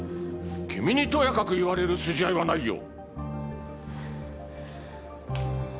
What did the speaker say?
君にとやかく言われる筋合いはないよ。